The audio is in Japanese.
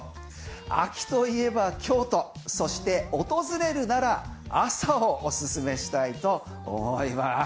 秋といえば京都そして、訪れるなら朝をおすすめしたいと思います。